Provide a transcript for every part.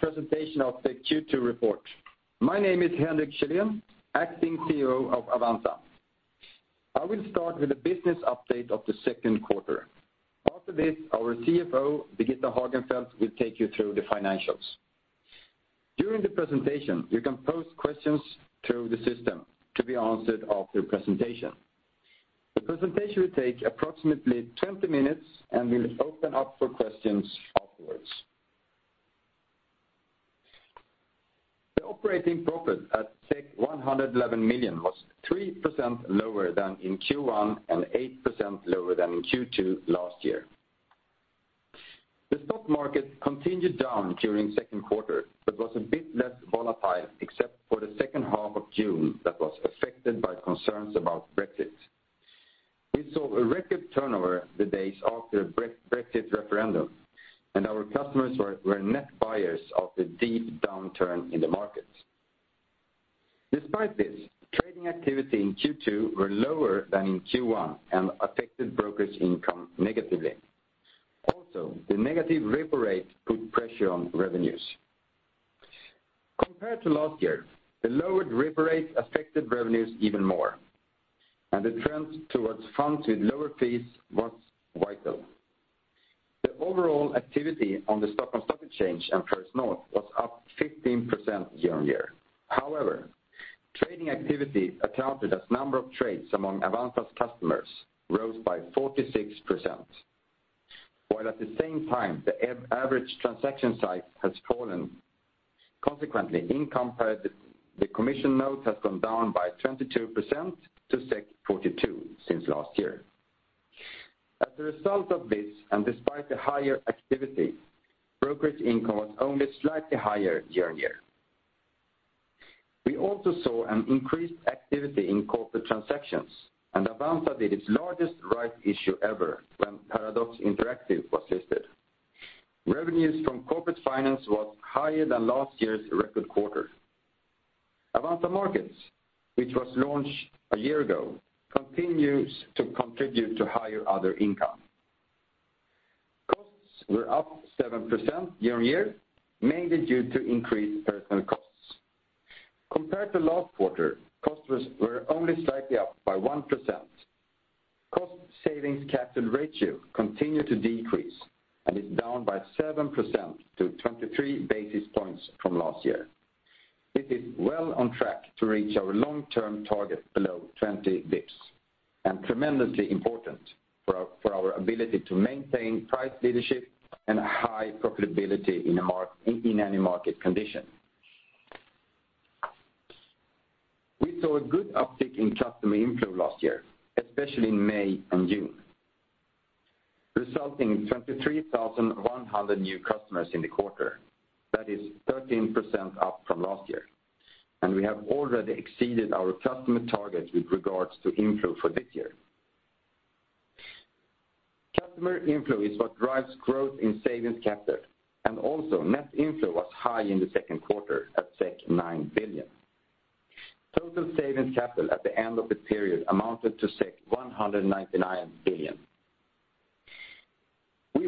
Presentation of the Q2 report. My name is Henrik Källén, acting CEO of Avanza. I will start with a business update of the second quarter. After this, our CFO, Birgitta Hagenfeldt, will take you through the financials. During the presentation, you can post questions through the system to be answered after presentation. The presentation will take approximately 20 minutes, and we will open up for questions afterwards. The operating profit at 111 million was 3% lower than in Q1 and 8% lower than in Q2 last year. The stock market continued down during second quarter, but was a bit less volatile except for the second half of June that was affected by concerns about Brexit. We saw a record turnover the days after the Brexit referendum, and our customers were net buyers of the deep downturn in the market. Despite this, trading activity in Q2 were lower than in Q1 and affected brokerage income negatively. Also, the negative repo rate put pressure on revenues. Compared to last year, the lowered repo rate affected revenues even more, and the trend towards funds with lower fees was vital. The overall activity on the Stockholm Stock Exchange and First North was up 15% year on year. However, trading activity accounted as number of trades among Avanza's customers rose by 46%, while at the same time the average transaction size has fallen. Consequently, income per the commission note has gone down by 22% to 42 since last year. As a result of this, and despite the higher activity, brokerage income was only slightly higher year on year. We also saw an increased activity in corporate transactions, and Avanza did its largest rights issue ever when Paradox Interactive was listed. Revenues from corporate finance was higher than last year's record quarter. Avanza Markets, which was launched a year ago, continues to contribute to higher other income. Costs were up 7% year on year, mainly due to increased personnel costs. Compared to last quarter, costs were only slightly up by 1%. Cost savings capital ratio continued to decrease and is down by 7% to 23 basis points from last year. It is well on track to reach our long-term target below 20 bps and tremendously important for our ability to maintain price leadership and a high profitability in any market condition. We saw a good uptick in customer inflow last year, especially in May and June, resulting in 23,100 new customers in the quarter. That is 13% up from last year and we have already exceeded our customer target with regards to inflow for this year. Customer inflow is what drives growth in savings capital and also net inflow was high in the second quarter at 9 billion. Total savings capital at the end of the period amounted to 199 billion.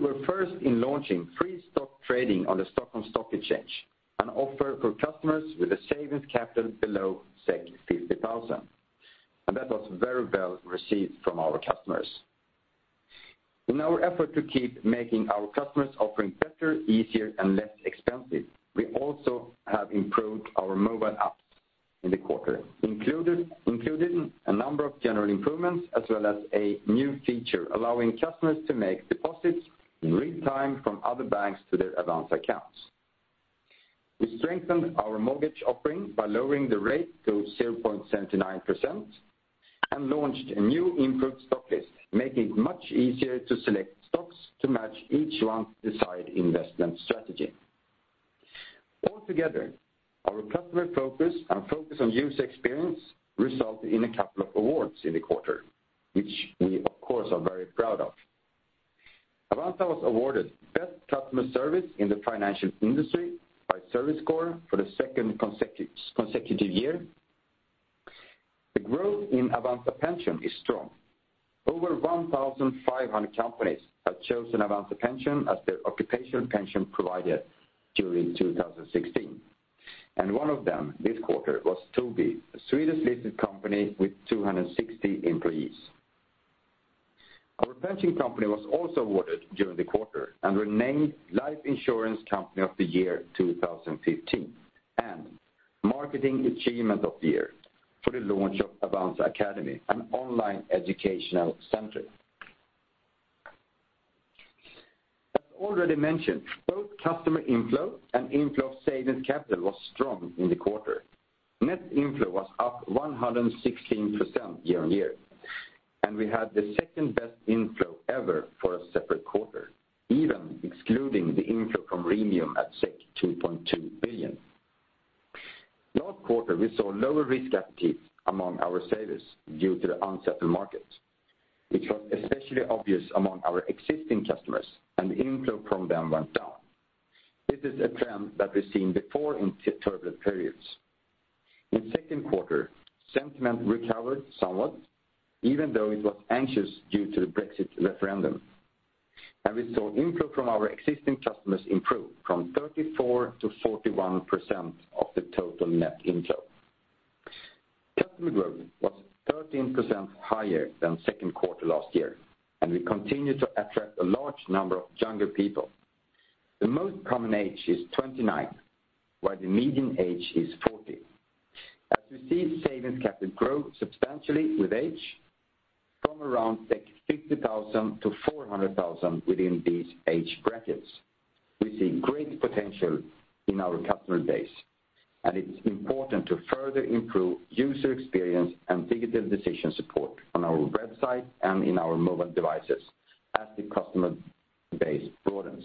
We were first in launching free stock trading on the Stockholm Stock Exchange, an offer for customers with a savings capital below 50,000, and that was very well received from our customers. In our effort to keep making our customers offering better, easier, and less expensive, we also have improved our mobile apps in the quarter including a number of general improvements as well as a new feature allowing customers to make deposits in real time from other banks to their Avanza accounts. We strengthened our mortgage offering by lowering the rate to 0.79% and launched a new improved stock list, making it much easier to select stocks to match each one's desired investment strategy. Altogether, our customer focus and focus on user experience resulted in a couple of awards in the quarter, which we of course are very proud of. Avanza was awarded best customer service in the financial industry by ServiceScore for the second consecutive year. The growth in Avanza Pension is strong. Over 1,500 companies have chosen Avanza Pension as their occupational pension provider during 2016, and one of them this quarter was Tobii, the Swedish listed company with 260 employees. Our pension company was also awarded during the quarter and renamed Life Insurance Company of the Year 2015 and Marketing Achievement of the Year for the launch of Avanza Akademin, an online educational center. As already mentioned, both customer inflow and inflow of savings capital was strong in the quarter. Net inflow was up 116% year-on-year, and we had the second-best inflow ever for a separate quarter, even excluding the inflow from Remium at 2.2 billion. Last quarter, we saw lower risk appetite among our savers due to the uncertain market. It was especially obvious among our existing customers, and the inflow from them went down. This is a trend that we've seen before in turbulent periods. In second quarter, sentiment recovered somewhat even though it was anxious due to the Brexit referendum. We saw inflow from our existing customers improve from 34% to 41% of the total net inflow. Customer growth was 13% higher than second quarter last year, and we continue to attract a large number of younger people. The most common age is 29, while the median age is 40. As we see savings capital growth substantially with age from around 50,000 to 400,000 within these age brackets. We see great potential in our customer base, and it is important to further improve user experience and digital decision support on our website and in our mobile devices as the customer base broadens.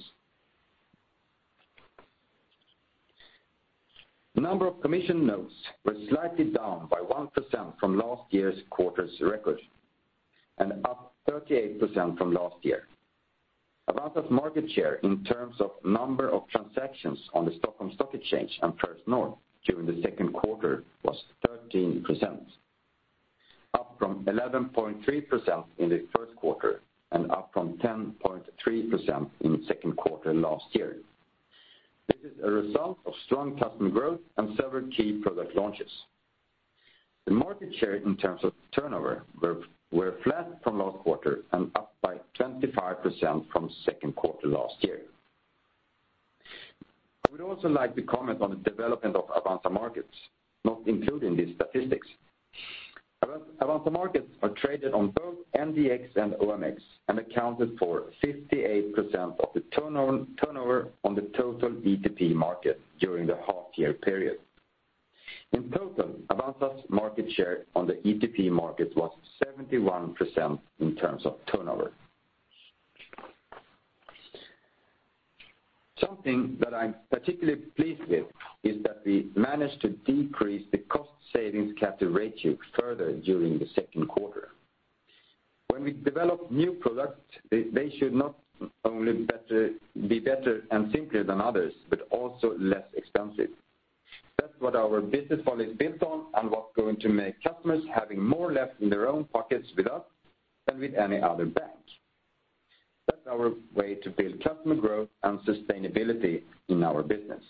The number of commission notes were slightly down by 1% from last year's quarter's record and up 38% from last year. Avanza market share in terms of number of transactions on the Stockholm Stock Exchange and First North during the second quarter was 13%, up from 11.3% in the first quarter and up from 10.3% in the second quarter last year. This is a result of strong customer growth and several key product launches. The market share in terms of turnover were flat from last quarter and up by 25% from second quarter last year. I would also like to comment on the development of Avanza Markets, not included in these statistics. Avanza Markets are traded on both NGM and OMX and accounted for 58% of the turnover on the total ETP market during the half-year period. In total, Avanza market share on the ETP market was 71% in terms of turnover. Something that I'm particularly pleased with is that we managed to decrease the cost savings capital ratio further during the second quarter. When we develop new products, they should not only be better and simpler than others, but also less expensive. That's what our business model is built on and what's going to make customers having more left in their own pockets with us than with any other bank. That's our way to build customer growth and sustainability in our business.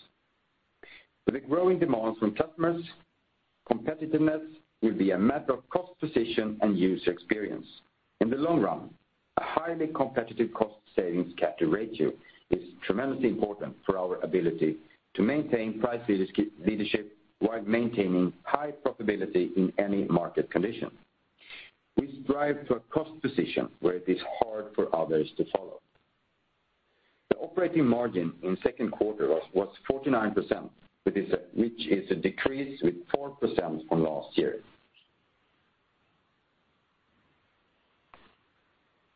With the growing demands from customers, competitiveness will be a matter of cost position and user experience. In the long run, a highly competitive cost savings capital ratio is tremendously important for our ability to maintain price leadership while maintaining high profitability in any market condition. We strive to a cost position where it is hard for others to follow. The operating margin in second quarter was 49%, which is a decrease with 4% from last year.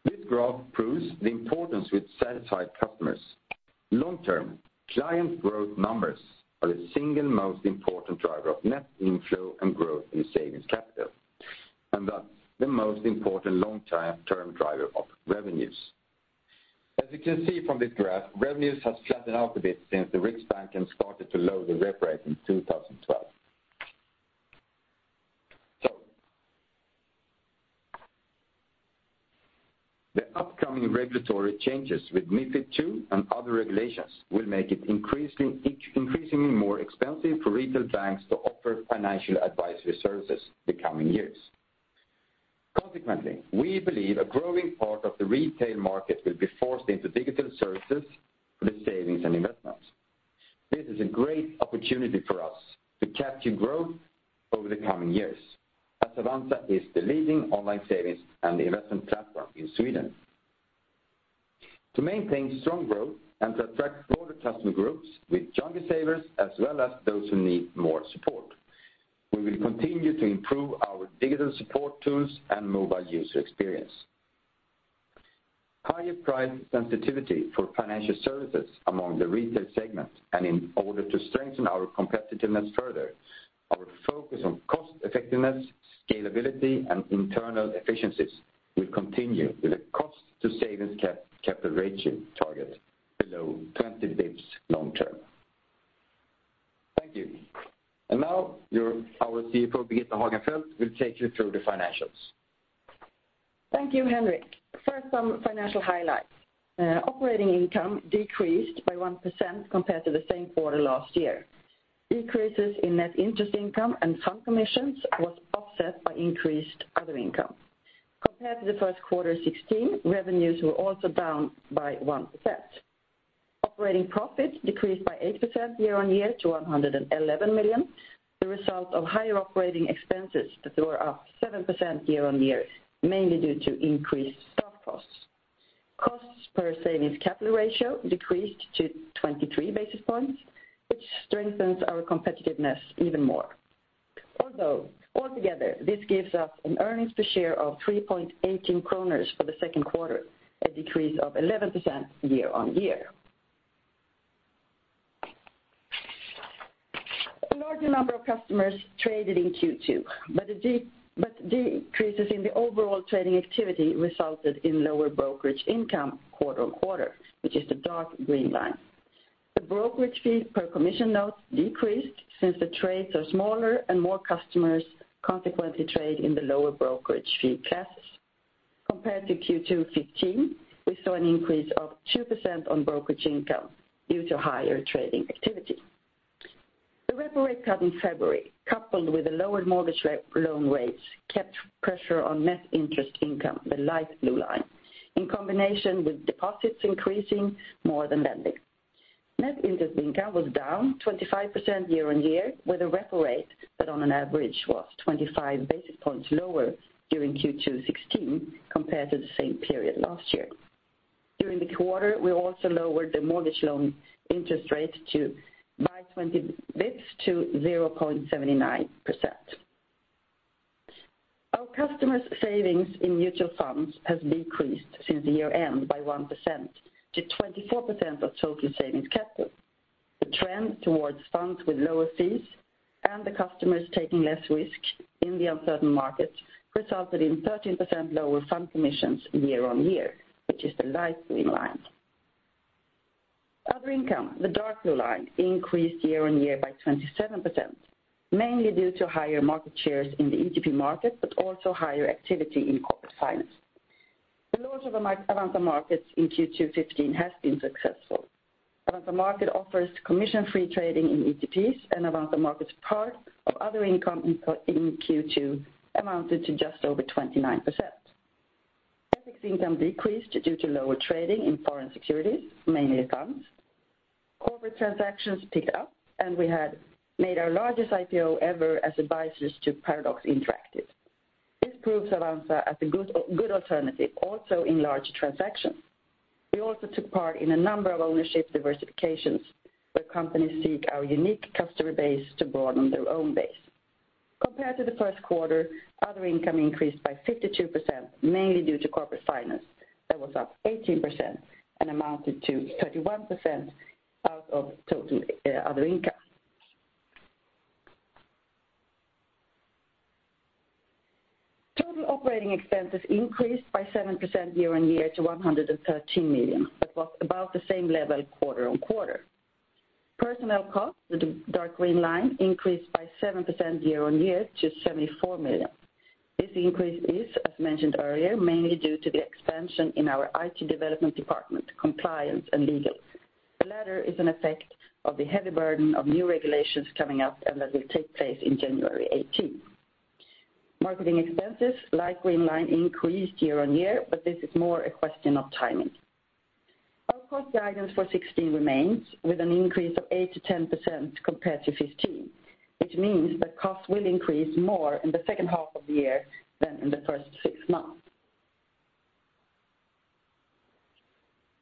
This graph proves the importance with satisfied customers. Long term, client growth numbers are the single most important driver of net inflow and growth in savings capital, and thus the most important long-term driver of revenues. As you can see from this graph, revenues have flattened out a bit since the Riksbanken started to lower the repo rate in 2012. The upcoming regulatory changes with MiFID II and other regulations will make it increasingly more expensive for retail banks to offer financial advisory services the coming years. Consequently, we believe a growing part of the retail market will be forced into digital services for the savings and investments. This is a great opportunity for us to capture growth over the coming years, as Avanza is the leading online savings and investment platform in Sweden. To maintain strong growth and to attract broader customer groups with younger savers as well as those who need more support, we will continue to improve our digital support tools and mobile user experience. Higher price sensitivity for financial services among the retail segment and in order to strengthen our competitiveness further, our focus on cost effectiveness, scalability, and internal efficiencies will continue with a cost to savings capital ratio target below 20 basis points long term. Thank you. Now our CFO, Birgitta Hagenfeldt will take you through the financials. Thank you, Henrik. First, some financial highlights. Operating income decreased by 1% compared to the same quarter last year. Decreases in net interest income and some commissions was offset by increased other income. Compared to the first quarter 2016, revenues were also down by 1%. Operating profits decreased by 8% year on year to 111 million, the result of higher operating expenses that were up 7% year on year, mainly due to increased staff costs. Costs per savings capital ratio decreased to 23 basis points, which strengthens our competitiveness even more. Although altogether, this gives us an earnings per share of 3.18 kronor for the second quarter, a decrease of 11% year on year. A larger number of customers traded in Q2, but decreases in the overall trading activity resulted in lower brokerage income quarter on quarter, which is the dark green line. The brokerage fee per commission note decreased since the trades are smaller and more customers consequently trade in the lower brokerage fee classes. Compared to Q2 2015, we saw an increase of 2% on brokerage income due to higher trading activity. The repo rate cut in February, coupled with the lower mortgage loan rates, kept pressure on net interest income, the light blue line, in combination with deposits increasing more than lending. Net interest income was down 25% year on year, where the repo rate, but on an average, was 25 basis points lower during Q2 2016 compared to the same period last year. During the quarter, we also lowered the mortgage loan interest rate by 20 basis points to 0.79%. Our customers' savings in mutual funds has decreased since year-end by 1% to 24% of total savings capital. The trend towards funds with lower fees and the customers taking less risk in the uncertain markets resulted in 13% lower fund commissions year on year, which is the light green line. Other income, the dark blue line, increased year on year by 27%, mainly due to higher market shares in the ETP market, but also higher activity in corporate finance. The launch of Avanza Markets in Q2 2015 has been successful. Avanza Markets offers commission-free trading in ETPs, and Avanza Markets' part of other income in Q2 amounted to just over 29%. Trading income decreased due to lower trading in foreign securities, mainly FX accounts. Corporate transactions picked up, and we had made our largest IPO ever as advisors to Paradox Interactive. This proves Avanza as a good alternative also in large transactions. We also took part in a number of ownership diversifications where companies seek our unique customer base to broaden their own base. Compared to the first quarter, other income increased by 52%, mainly due to corporate finance that was up 18% and amounted to 31% out of total other income. Total operating expenses increased by 7% year on year to 113 million. That was about the same level quarter on quarter. Personnel costs, the dark green line, increased by 7% year on year to 74 million. This increase is, as mentioned earlier, mainly due to the expansion in our IT development department, compliance, and legal. The latter is an effect of the heavy burden of new regulations coming up and that will take place in January 2018. Marketing expenses, light green line, increased year on year, but this is more a question of timing. Our cost guidance for 2016 remains with an increase of 8%-10% compared to 2015, which means that costs will increase more in the second half of the year than in the first six months.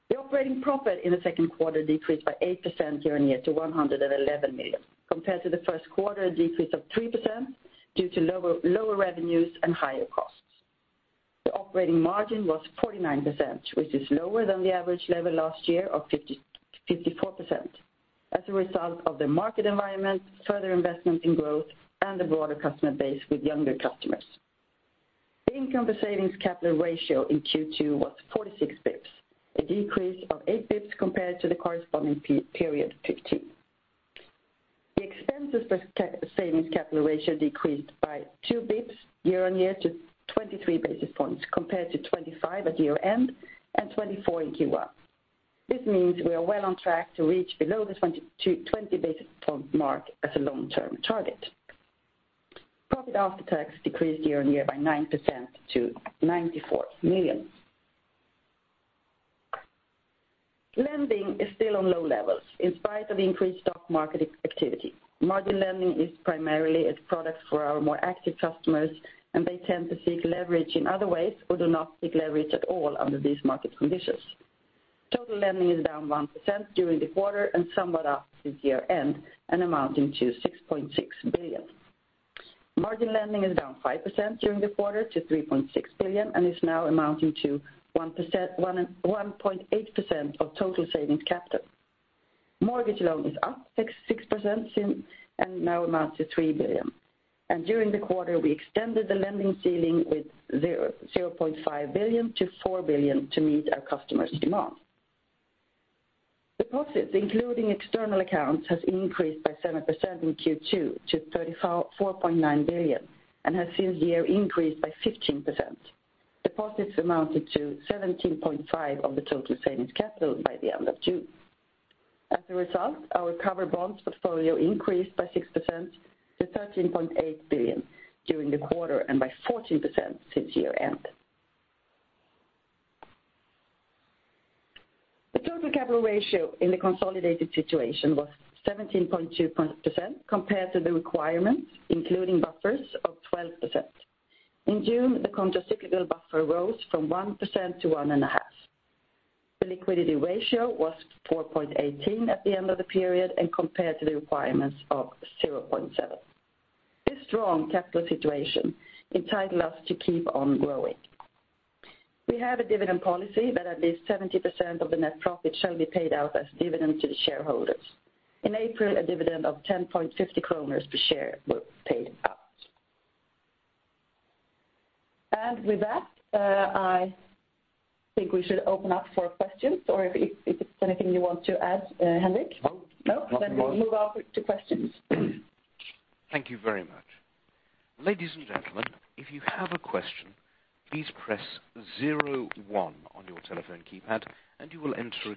The operating profit in the second quarter decreased by 8% year on year to 111 million compared to the first quarter decrease of 3% due to lower revenues and higher costs. The operating margin was 49%, which is lower than the average level last year of 54%, as a result of the market environment, further investment in growth, and a broader customer base with younger customers. The income to savings capital ratio in Q2 was 46 basis points, a decrease of 8 basis points compared to the corresponding period 2015. The expenses to savings capital ratio decreased by 2 basis points year on year to 23 basis points compared to 25 at year-end and 24 in Q1. This means we are well on track to reach below the 20 basis point mark as a long-term target. Profit after tax decreased year-on-year by 9% to 94 million. Lending is still on low levels in spite of increased stock market activity. Margin lending is primarily a product for our more active customers, and they tend to seek leverage in other ways or do not seek leverage at all under these market conditions. Total lending is down 1% during the quarter and somewhat up since year-end and amounting to 6.6 billion. Margin lending is down 5% during the quarter to 3.6 billion and is now amounting to 1.8% of total savings capital. Mortgage loan is up 6% and now amounts to 3 billion. During the quarter, we extended the lending ceiling with 0.5 billion to 4 billion to meet our customers' demand. Deposits, including external accounts, has increased by 7% in Q2 to 34.9 billion and has since year increased by 15%. Deposits amounted to 17.5% of the total savings capital by the end of June. As a result, our covered bonds portfolio increased by 6% to 13.8 billion during the quarter and by 14% since year-end. The total capital ratio in the consolidated situation was 17.2% compared to the requirement, including buffers of 12%. In June, the countercyclical buffer rose from 1% to 1.5%. The liquidity ratio was 4.18 at the end of the period and compared to the requirements of 0.7. This strong capital situation entitle us to keep on growing. We have a dividend policy that at least 70% of the net profit shall be paid out as dividends to the shareholders. In April, a dividend of 10.50 kronor per share were paid out. With that, I think we should open up for questions, or if it's anything you want to add, Henrik? No. No? We move over to questions. Thank you very much. Ladies and gentlemen, if you have a question, please press 01 on your telephone keypad and you will enter a queue.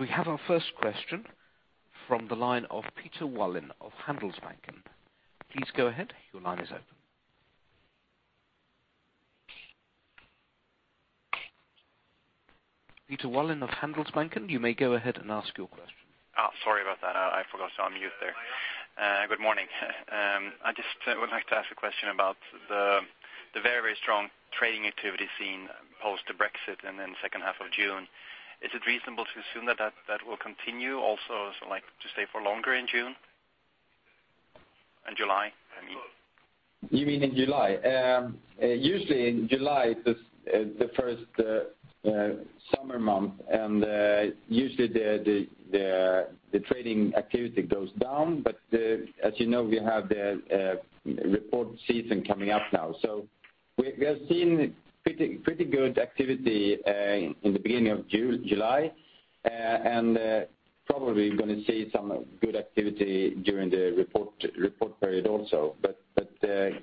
We have our first question from the line of Peter Wallin of Handelsbanken. Please go ahead. Your line is open. Peter Wallin of Handelsbanken, you may go ahead and ask your question. Sorry about that. I forgot to unmute there. Good morning. I just would like to ask a question about the very strong trading activity seen post-Brexit and then second half of June. Is it reasonable to assume that will continue also, to say for longer in June and July? You mean in July? Usually in July, the first summer month, and usually the trading activity goes down. As you know, we have the report season coming up now, we have seen pretty good activity in the beginning of July and probably going to see some good activity during the report period also.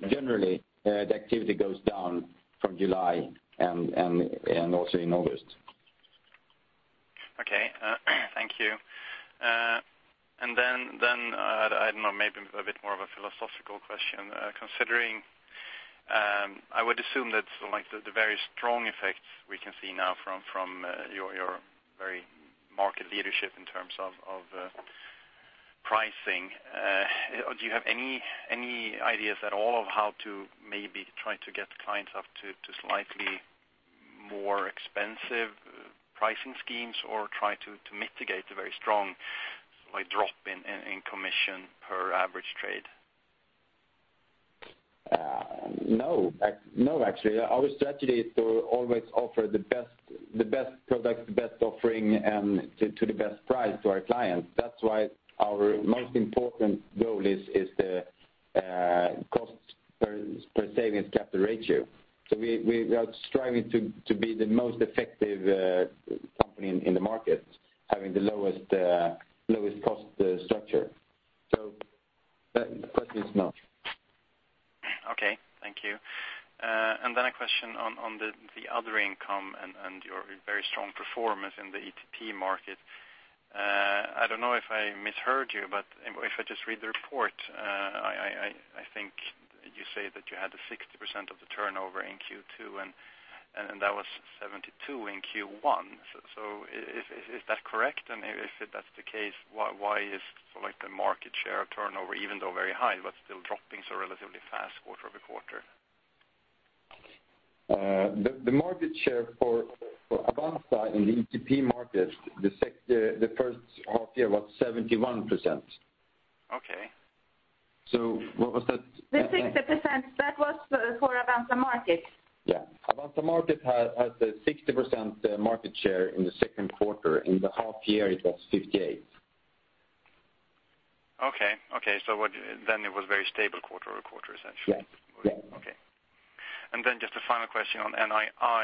Generally, the activity goes down from July and also in August. Okay. Thank you. I don't know, maybe a bit more of a philosophical question considering, I would assume that the very strong effects we can see now from your very market leadership in terms of pricing, do you have any ideas at all of how to maybe try to get clients up to slightly more expensive pricing schemes or try to mitigate the very strong drop in commission per average trade? No, actually. Our strategy is to always offer the best product, the best offering, and to the best price to our clients. That's why our most important goal is the cost per savings capital ratio. We are striving to be the most effective company in the market having the lowest cost structure. The answer is no. Okay, thank you. A question on the other income and your very strong performance in the ETP market. I don't know if I misheard you, but if I just read the report, I think you say that you had the 60% of the turnover in Q2, and that was 72 in Q1. Is that correct? If that's the case, why is the market share turnover even though very high, but still dropping so relatively fast quarter-over-quarter? The market share for Avanza in the ETP market, the first half year was 71%. Okay. What was that? The 60%, that was for Avanza Market. Yeah. Avanza Market had the 60% market share in the second quarter. In the half year, it was 58%. Okay. It was very stable quarter-over-quarter, essentially. Yes. Okay. Just a final question on NII.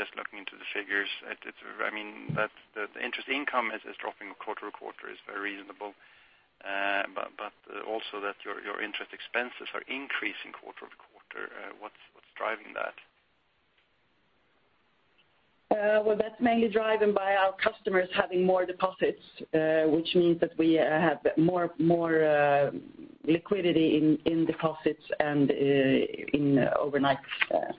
Just looking into the figures, the interest income is dropping quarter-over-quarter is very reasonable. Also that your interest expenses are increasing quarter-over-quarter. What's driving that? Well, that's mainly driven by our customers having more deposits, which means that we have more liquidity in deposits and in overnight. The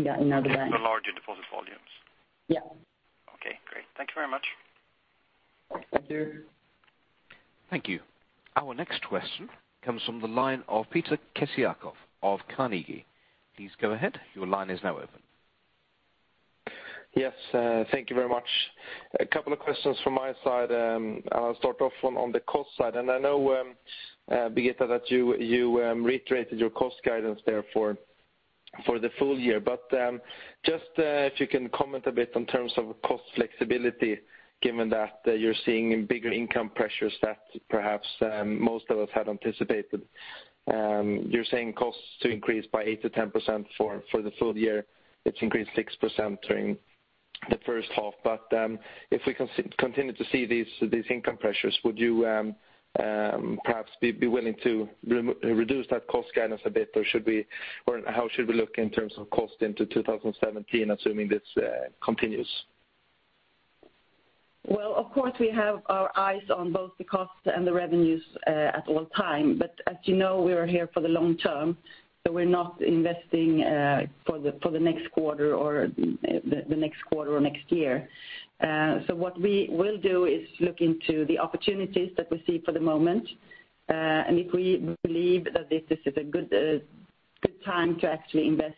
larger deposit volumes. Yeah. Okay, great. Thank you very much. Thank you. Thank you. Our next question comes from the line of Peter Kessiakoff of Carnegie. Please go ahead. Your line is now open. Thank you very much. A couple of questions from my side. I'll start off on the cost side, and I know, Birgitta, that you reiterated your cost guidance there for the full year. Just if you can comment a bit in terms of cost flexibility, given that you're seeing bigger income pressures that perhaps most of us had anticipated. You're saying costs to increase by 8%-10% for the full year. It's increased 6% during the first half. If we continue to see these income pressures, would you perhaps be willing to reduce that cost guidance a bit, or how should we look in terms of cost into 2017, assuming this continues? Of course, we have our eyes on both the costs and the revenues at all time. As you know, we are here for the long term, so we're not investing for the next quarter or next year. What we will do is look into the opportunities that we see for the moment, and if we believe that this is a good time to actually invest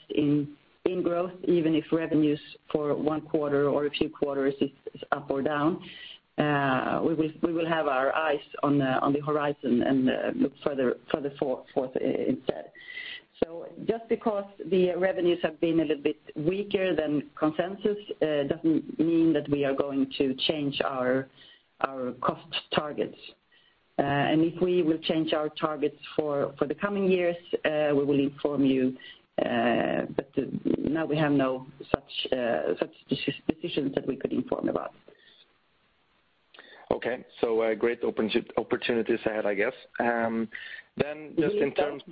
in growth, even if revenues for one quarter or a few quarters is up or down we will have our eyes on the horizon and look further forth instead. Just because the revenues have been a little bit weaker than consensus doesn't mean that we are going to change our cost targets. If we will change our targets for the coming years, we will inform you. Now we have no such decisions that we could inform about. Okay. Great opportunities ahead, I guess. Yes. In terms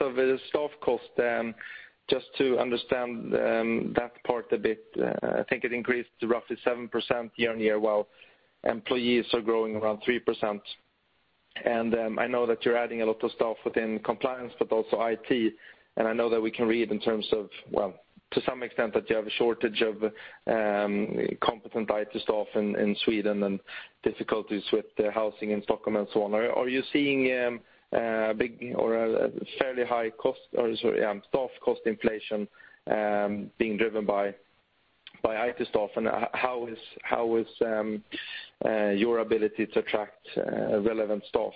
of the staff cost, just to understand that part a bit, I think it increased to roughly 7% year-on-year while employees are growing around 3%. I know that you're adding a lot of staff within compliance, but also IT, and I know that we can read in terms of, well, to some extent that you have a shortage of competent IT staff in Sweden and difficulties with housing in Stockholm and so on. Are you seeing a big or a fairly high staff cost inflation being driven by IT staff? How is your ability to attract relevant staff?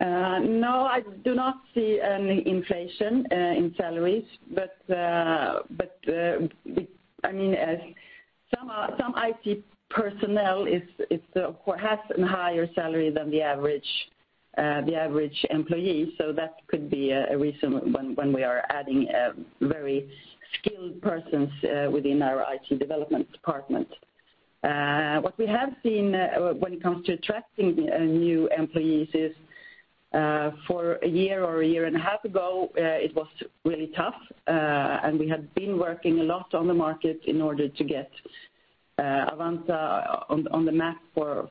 I do not see any inflation in salaries. Some IT personnel has a higher salary than the average employee, That could be a reason when we are adding very skilled persons within our IT development department. What we have seen when it comes to attracting new employees is for a year or a year and a half ago it was really tough. We had been working a lot on the market in order to get Avanza on the map for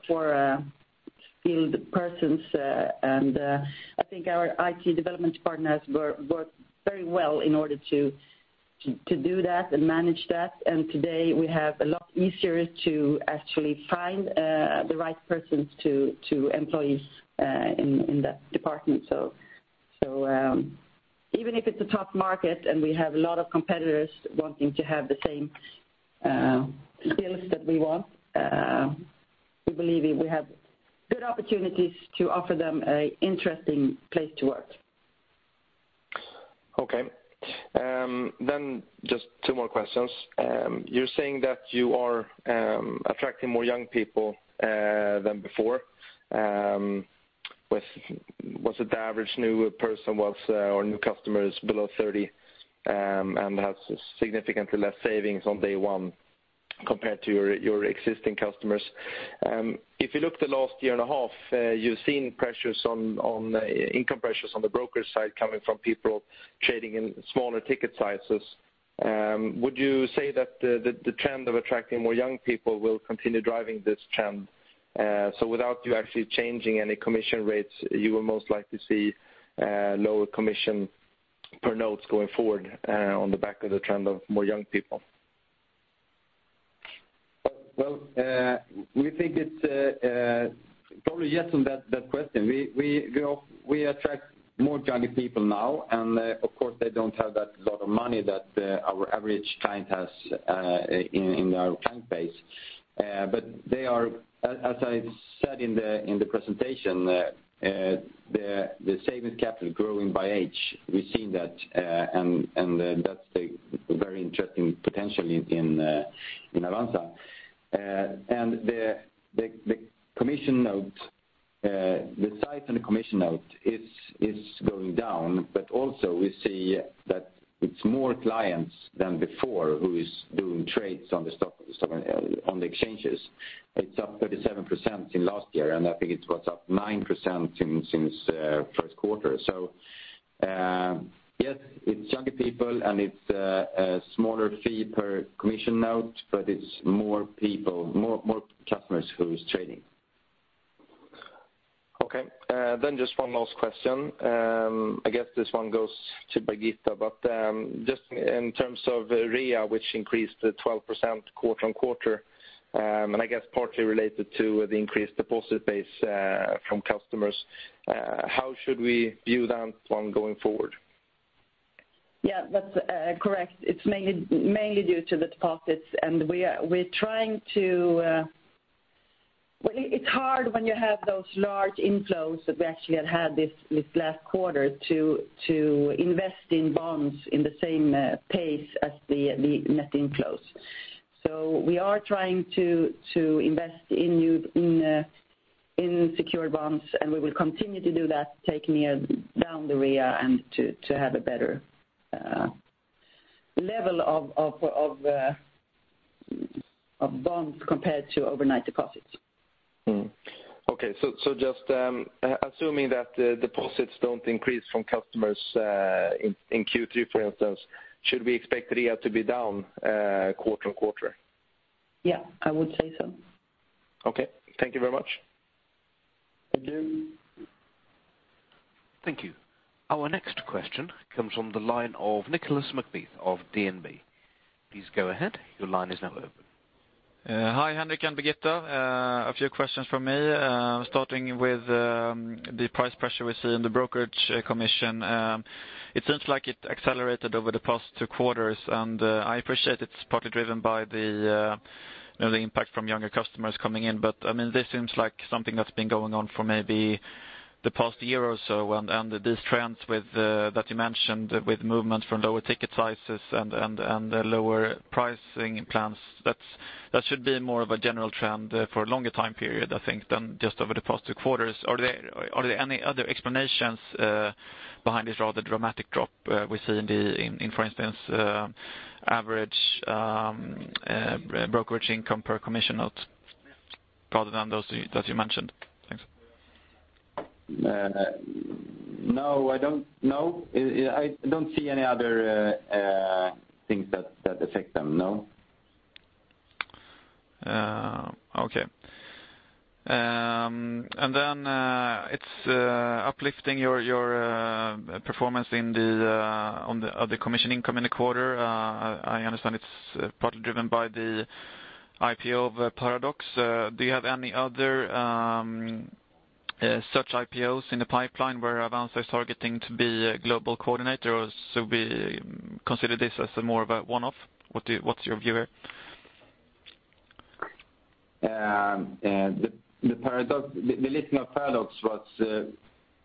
skilled persons. I think our IT development partners worked very well in order to do that and manage that. Today we have a lot easier to actually find the right persons to employees in that department. Even if it's a tough market and we have a lot of competitors wanting to have the same skills that we want, we believe we have good opportunities to offer them a interesting place to work. Okay. Just two more questions. You're saying that you are attracting more young people than before. Was it the average new person was or new customer is below 30 and has significantly less savings on day one compared to your existing customers? If you look the last year and a half, you've seen income pressures on the brokerage side coming from people trading in smaller ticket sizes. Would you say that the trend of attracting more young people will continue driving this trend? Without you actually changing any commission rates, you will most likely see lower commission per notes going forward on the back of the trend of more young people. We think it's probably yes on that question. We attract more younger people now, and of course they don't have that lot of money that our average client has in our client base. As I said in the presentation the savings capital growing by age. We've seen that, and that's a very interesting potential in Avanza. The size and the commission note is going down, but also we see that it's more clients than before who is doing trades on the exchanges. It's up 37% in last year, and I think it was up 9% since first quarter. Yes, it's younger people and it's a smaller fee per commission note, but it's more customers who's trading. Just one last question. I guess this one goes to Birgitta, but just in terms of RIA, which increased to 12% quarter-on-quarter, and I guess partly related to the increased deposit base from customers, how should we view that one going forward? That's correct. It's mainly due to the deposits, and we're trying to it's hard when you have those large inflows that we actually had this last quarter to invest in bonds in the same pace as the net inflows. We are trying to invest in secured bonds, and we will continue to do that, taking down the RIA and to have a better level of bonds compared to overnight deposits. Just assuming that deposits don't increase from customers in Q3, for instance, should we expect RIA to be down quarter-on-quarter? Yeah, I would say so. Okay. Thank you very much. Thank you. Thank you. Our next question comes from the line of Nicolas MacBeath of DNB. Please go ahead. Your line is now open. Hi, Henrik Källén and Birgitta Hagenfeldt. A few questions from me. Starting with the price pressure we see in the brokerage commission. It seems like it accelerated over the past two quarters, I appreciate it's partly driven by the impact from younger customers coming in. This seems like something that's been going on for maybe the past year or so and these trends that you mentioned with movement from lower ticket sizes and lower pricing plans, that should be more of a general trend for a longer time period, I think, than just over the past two quarters. Are there any other explanations behind this rather dramatic drop we see in, for instance, average brokerage income per commission note rather than those that you mentioned? Thanks. No, I don't. No. I don't see any other things that affect them, no. Okay. It's uplifting your performance on the commission income in the quarter. I understand it's partly driven by the IPO of Paradox. Do you have any other such IPOs in the pipeline where Avanza is targeting to be a global coordinator, or should we consider this as more of a one-off? What's your view here? The listing of Paradox was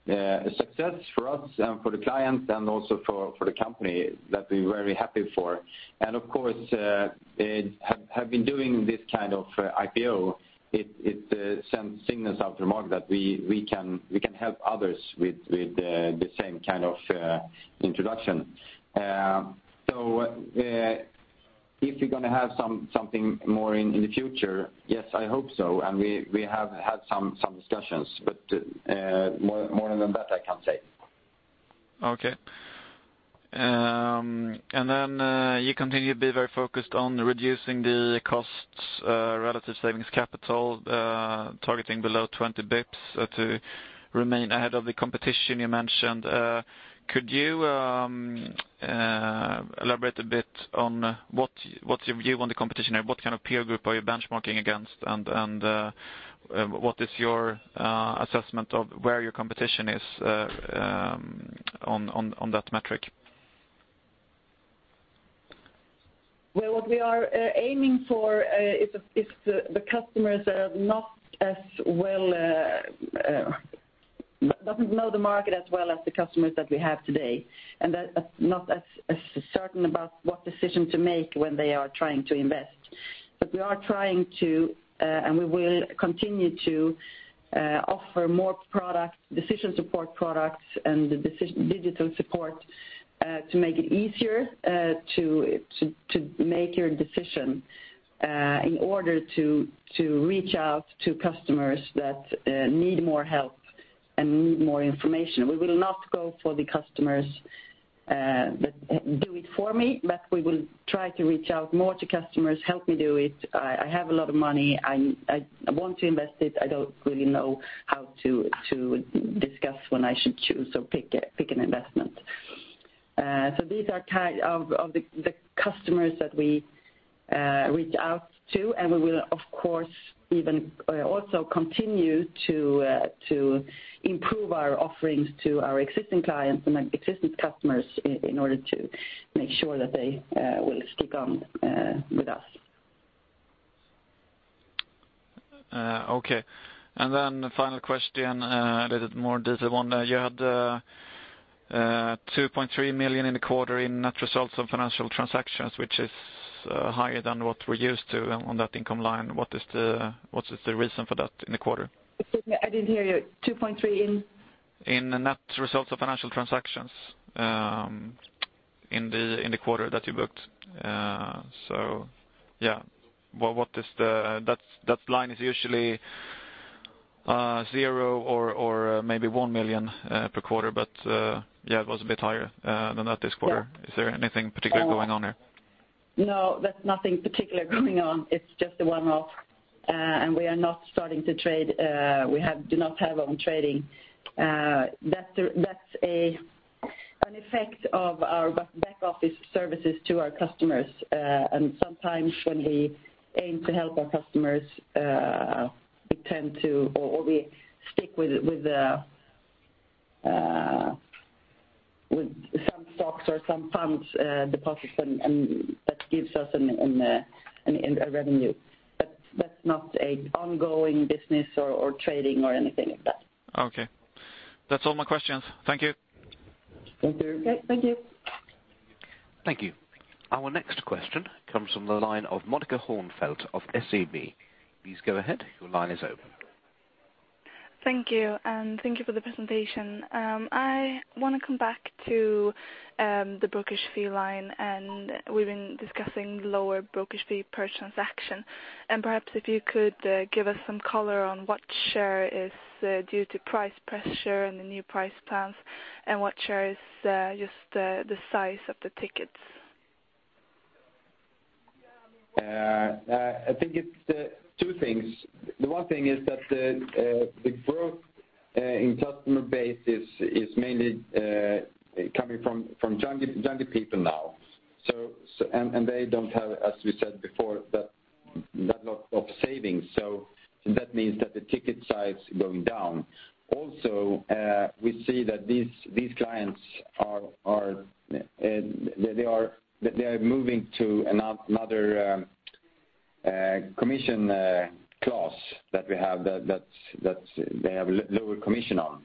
a success for us and for the client and also for the company that we're very happy for. Of course having been doing this kind of IPO, it signals out to the market that we can help others with the same kind of introduction. If you're going to have something more in the future, yes, I hope so. We have had some discussions, but more than that I can't say. Okay. You continue to be very focused on reducing the costs relative savings capital targeting below 20 basis points to remain ahead of the competition you mentioned. Could you elaborate a bit on what's your view on the competition and what kind of peer group are you benchmarking against, and what is your assessment of where your competition is on that metric? Well, what we are aiming for is the customers that doesn't know the market as well as the customers that we have today, and that are not as certain about what decision to make when they are trying to invest. We are trying to and we will continue to offer more decision support products and the digital support to make it easier to make your decision in order to reach out to customers that need more help and need more information. We will not go for the customers that do it for me, but we will try to reach out more to customers, help me do it. I have a lot of money. I want to invest it. I don't really know how to discuss when I should choose or pick an investment. These are the customers that we reach out to, and we will, of course, also continue to improve our offerings to our existing clients and existing customers in order to make sure that they will stick on with us. Okay. The final question a little more detailed one. You had 2.3 million in the quarter in net results of financial transactions, which is higher than what we're used to on that income line. What is the reason for that in the quarter? Excuse me, I didn't hear you. 2.3 in? In net results of financial transactions in the quarter that you booked. Yeah. That line is usually zero or maybe 1 million per quarter, it was a bit higher than that this quarter. Yeah. Is there anything particular going on there? No, there's nothing particular going on. It's just a one-off, we are not starting to trade. We do not have own trading. That's an effect of our back office services to our customers. Sometimes when we aim to help our customers we tend to, or we stick with some stocks or some funds deposits, and that gives us a revenue. That's not an ongoing business or trading or anything like that. Okay. That's all my questions. Thank you. Thank you. Okay. Thank you. Thank you. Our next question comes from the line of Mikaela Åkerlund of SEB. Please go ahead. Your line is open. Thank you, and thank you for the presentation. I want to come back to the brokerage fee line. We've been discussing lower brokerage fee per transaction. Perhaps if you could give us some color on what share is due to price pressure and the new price plans and what share is just the size of the tickets. I think it's two things. The one thing is that the growth in customer base is mainly coming from younger people now. They don't have, as we said before, that lot of savings. That means that the ticket size is going down. Also we see that these clients are moving to another Commission class that we have that they have lower commission on.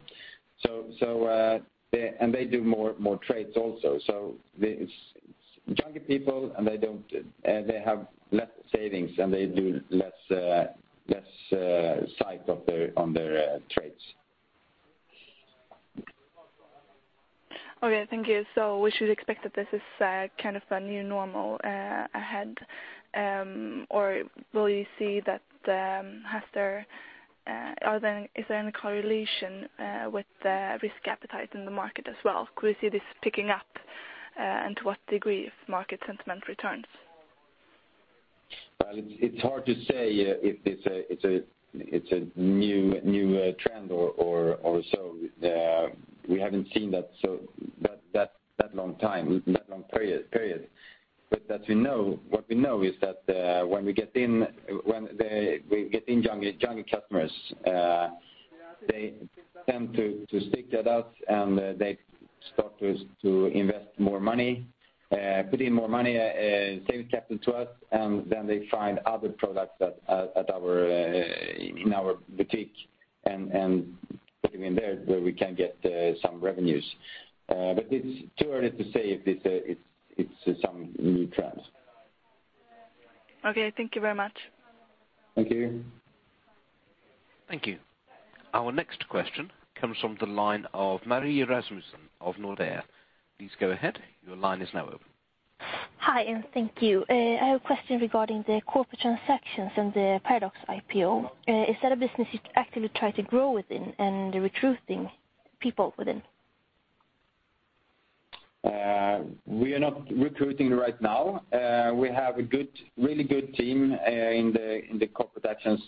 They do more trades also. It's younger people and they have less savings, and they do less size on their trades. Okay, thank you. We should expect that this is a new normal ahead or will you see that is there any correlation with the risk appetite in the market as well? Could we see this picking up and to what degree if market sentiment returns? It's hard to say if it's a new trend or so. We haven't seen that long period. What we know is that when we get in younger customers they tend to stick that out and they start to invest more money, put in more money, save capital to us. They find other products in our boutique and put them in there where we can get some revenues. It's too early to say if it's some new trends. Okay, thank you very much. Thank you. Thank you. Our next question comes from the line of Maria Rasmussen of Nordea. Please go ahead. Your line is now open. Hi, thank you. I have a question regarding the corporate transactions and the Paradox IPO. Is that a business you actively try to grow within and recruiting people within? We are not recruiting right now. We have a really good team in the corporate actions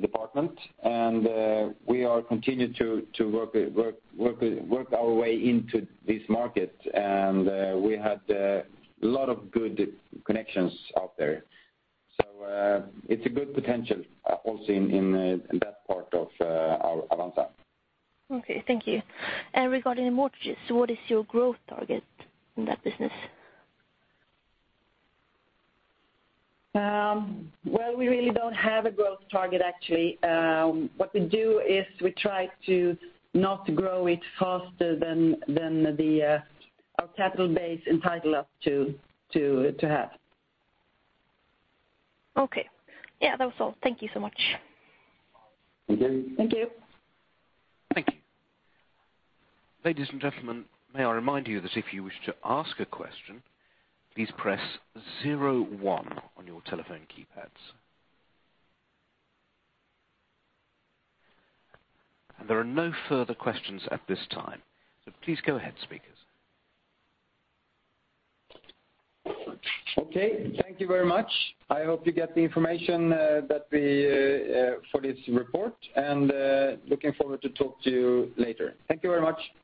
department, and we are continuing to work our way into this market, and we had a lot of good connections out there. It's a good potential also in that part of Avanza. Okay, thank you. Regarding the mortgages, what is your growth target in that business? Well, we really don't have a growth target, actually. What we do is we try to not grow it faster than our capital base entitle us to have. Okay. Yeah, that was all. Thank you so much. Thank you. Thank you. Thank you. Ladies and gentlemen, may I remind you that if you wish to ask a question, please press 01 on your telephone keypads. There are no further questions at this time. Please go ahead, speakers. Okay, thank you very much. I hope you get the information for this report and looking forward to talk to you later. Thank you very much.